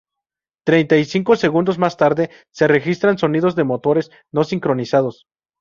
Treinta y cinco segundos más tarde, se registran sonidos de motores no sincronizados.